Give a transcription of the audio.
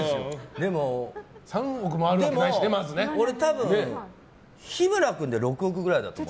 でも、俺多分日村君で６億くらいだと思う。